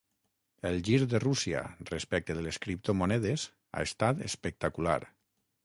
El gir de Rússia respecte de les criptomonedes ha estat espectacular.